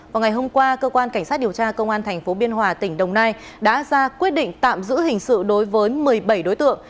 vào ngày hôm qua cơ quan cảnh sát điều tra công an tp biên hòa tỉnh đồng nai đã ra quyết định tạm giữ hình sự đối với một mươi bảy đối tượng